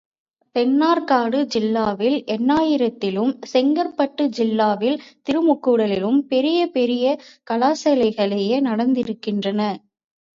தென்னார்க்காடு ஜில்லாவில் எண்ணாயிரத்திலும், செங்கற்பட்டு ஜில்லாவில் திருமுக்கூடலிலும் பெரிய பெரிய கலாசாலைகளே நடந்திருக்கின்றன.